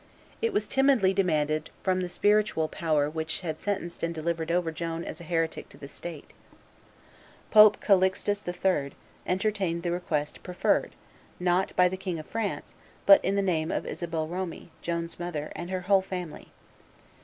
It was timidly demanded from the spiritual power which had sentenced and delivered over Joan as a heretic to the stake. Pope Calixtus III. entertained the request preferred, not by the King of France, but in the name of Isabel Romee, Joan's mother, and her whole family.